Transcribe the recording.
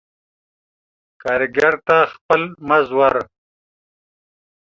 کاريګر ته خپل مز ور